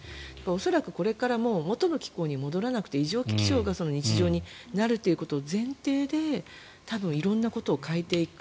恐らく、これから元の気候に戻らなくて異常気象が日常になるということを前提で多分色々なことを変えていく。